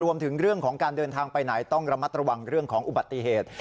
รวมถึงเรื่องของการเดินทางไปไหนต้องระมัดระวังเรื่องของอุบัติเหตุ